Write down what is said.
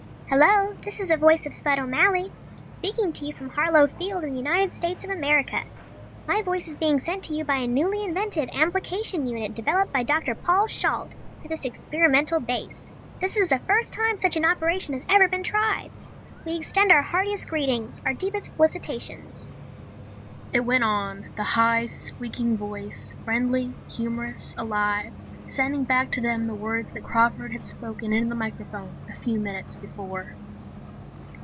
"_Hello.... This is the voice of Spud O'Malley. I speak to you from Harlow Field in the United States of America. My voice is being sent to you by a newly invented Amplification Unit developed by Dr. Paul Shalt at this experimental base. This is the first time such an operation has ever been tried. We extend our heartiest greetings, our deepest felicitations ..._" It went on, the high, squeaking voice, friendly, humorous, alive; sending back to them the words that Crawford had spoken into the microphone a few minutes before.